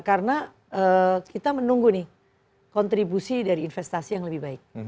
karena kita menunggu nih kontribusi dari investasi yang lebih baik